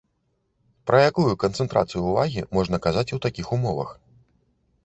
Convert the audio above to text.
Пра якую канцэнтрацыю ўвагі можна казаць у такіх умовах?